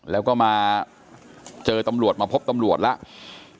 แล้วก็มาเจอตำรวจมาพบตำรวจแล้ว